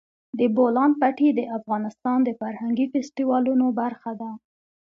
د بولان پټي د افغانستان د فرهنګي فستیوالونو برخه ده.